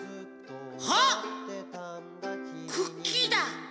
あっクッキーだ。